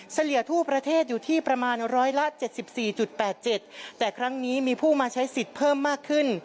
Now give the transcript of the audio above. เลี่ยทั่วประเทศอยู่ที่ประมาณร้อยละ๗๔๘๗แต่ครั้งนี้มีผู้มาใช้สิทธิ์เพิ่มมากขึ้น